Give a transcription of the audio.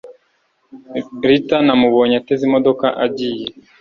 Litha namubonye ateze imodoka agiye